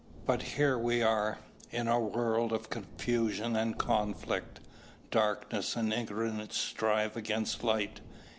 But here we are, in a world of confusion and conflict. Darkness and ignorance strive against light.